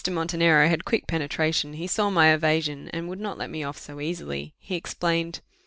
Montenero had quick penetration he saw my evasion, and would not let me off so easily. He explained.